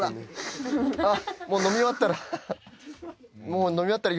あっもう飲み終わったら。